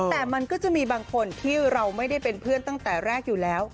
แต่มันก็จะมีบางคนที่เราไม่ได้เป็นเพื่อนตั้งแต่แรกอยู่แล้ว